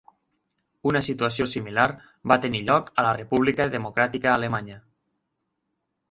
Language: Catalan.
Una situació similar va tenir lloc a la República Democràtica Alemanya.